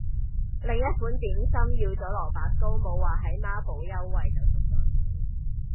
另一款點心要咗蘿蔔糕，無話喺孖寶優惠就縮咗水